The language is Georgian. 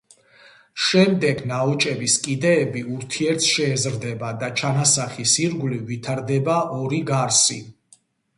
შემდეგ ნაოჭების კიდეები ურთიერთს შეეზრდება და ჩანასახის ირგვლივ ვითარდება ორი გარსი.